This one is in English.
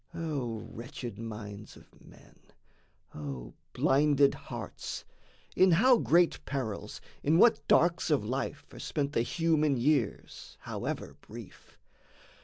O wretched minds of men! O blinded hearts! In how great perils, in what darks of life Are spent the human years, however brief!